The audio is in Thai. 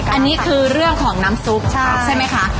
อันนี้คือเรื่องของน้ำซุปใช่ไหมคะ